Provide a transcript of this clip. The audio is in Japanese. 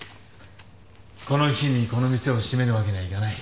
この日にこの店を閉めるわけにはいかない。